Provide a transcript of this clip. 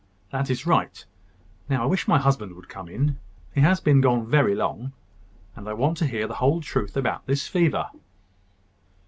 "That is right. Now I wish my husband would come in. He has been gone very long; and I want to hear the whole truth about this fever."